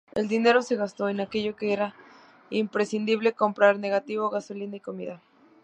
El dinero se gastó en aquello que era imprescindible comprar: negativo, gasolina y comida.